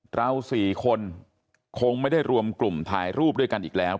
เรา๔คนคงไม่ได้รวมกลุ่มถ่ายรูปด้วยกันอีกแล้ว